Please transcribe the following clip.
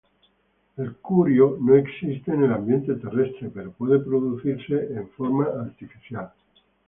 El curio no existe en el ambiente terrestre, pero puede producirse en forma artificial.